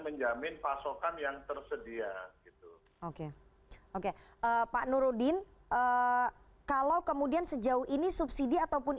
menjamin pasokan yang tersedia gitu oke oke pak nurudin kalau kemudian sejauh ini subsidi ataupun